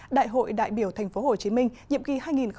đại hội đại biểu tp hcm nhiệm kỳ hai nghìn hai mươi hai nghìn hai mươi năm